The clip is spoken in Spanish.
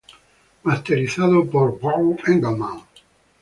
Masterizado por Bjørn Engelmann.